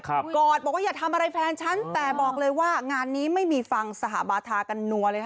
กอดบอกว่าอย่าทำอะไรแฟนฉันแต่บอกเลยว่างานนี้ไม่มีฟังสหบาทากันนัวเลยค่ะ